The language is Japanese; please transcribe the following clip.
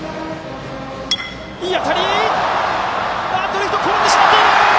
レフト、転んでしまっていた！